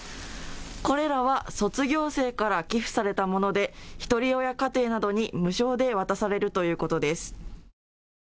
これらは卒業生から寄付されたもので、ひとり親家庭などに無償で渡されるということです。